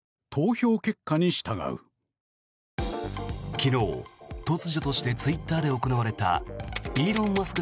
昨日、突如としてツイッターで行われたイーロン・マスク